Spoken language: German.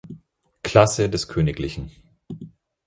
Klasse, des Kgl.